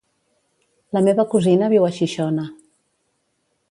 La meva cosina viu a Xixona.